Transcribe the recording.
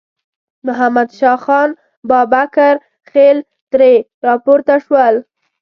محمد شاه خان بابکرخېل ترې راپورته شول.